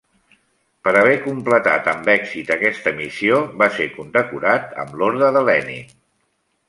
Per haver completat amb èxit aquesta missió, va ser condecorat amb l'orde de Lenin.